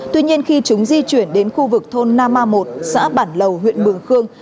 tuy nhiên khi chúng di chuyển đến khu vực thôn nama một xã bản lầu huyện mường khương